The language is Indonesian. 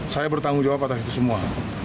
saya bertanggung jawab atas itu semua